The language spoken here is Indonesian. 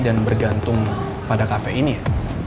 dan bergantung pada cafe ini ya